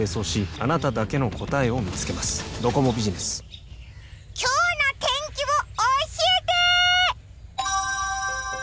ＮＯ．１今日の天気を教えて！